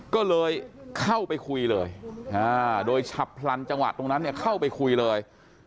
ก็เลยเข้าไปคุยเลยโดยฉับพลันจังหวะตรงนั้นเนี่ยเข้าไปคุยเลย